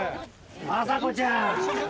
昌子ちゃん！